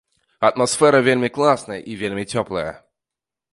Атмасфера вельмі класная і вельмі цёплая.